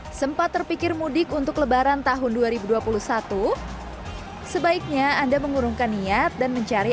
hai sempat terpikir mudik untuk lebaran tahun dua ribu dua puluh satu sebaiknya anda mengurungkan niat dan mencari